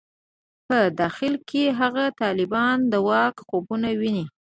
په داخل کې هغه طالبان د واک خوبونه ویني.